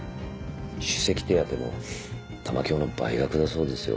首席手当も玉響の倍額だそうですよ。